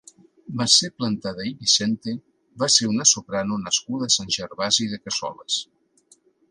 Mercè Plantada i Vicente va ser una soprano nascuda a Sant Gervasi de Cassoles.